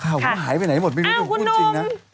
ข่าวมันหายไปไหนหมดไม่รู้ถึงคุณจริงนะ